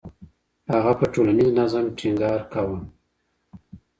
هغه په ټولنيز نظم ټينګار کاوه.